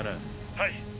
はい。